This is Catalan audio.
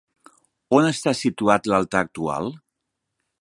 On està situat l'altar actual?